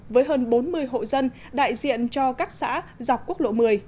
với hơn bốn mươi hộ dân đại diện cho các xã dọc quốc lộ một mươi